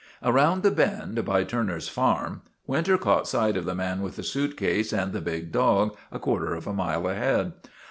Around the bend by Turner's farm Winter caught sight of the man with the suitcase and the big dog a quarter of a mile ahead.